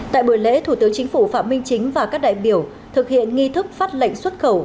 tại buổi lễ thủ tướng chính phủ phạm minh chính và các đại biểu thực hiện nghi thức phát lệnh xuất khẩu